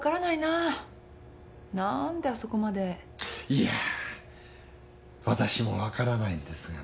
いやあわたしも分からないんですがね。